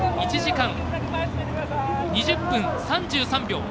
１時間２０分３３秒。